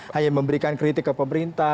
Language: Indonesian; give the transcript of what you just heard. hanya memberikan kritik ke pemerintah